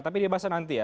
tapi dia bahas nanti ya